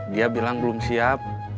dia bilang belum siap